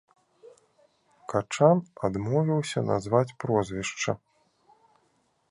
Качан адмовіўся назваць прозвішча.